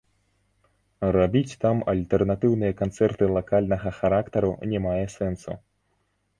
Рабіць там альтэрнатыўныя канцэрты лакальнага характару не мае сэнсу.